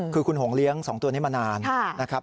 คือคุณหงเลี้ยง๒ตัวนี้มานานนะครับ